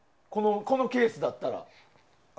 このケースだったら。